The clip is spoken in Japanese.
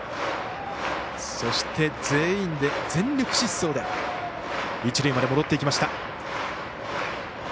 そして、全員で全力疾走で一塁まで戻っていきました。